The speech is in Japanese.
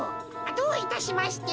どういたしまして。